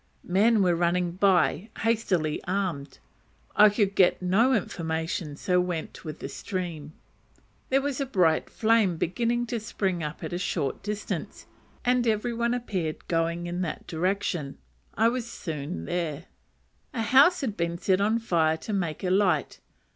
Men were running by, hastily armed. I could get no information, so went with the stream. There was a bright flame beginning to spring up at a short distance, and every one appeared going in that direction: I was soon there. A house had been set on fire to make a light.